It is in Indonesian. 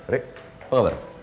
rik apa kabar